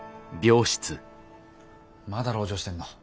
まだ籠城してんの？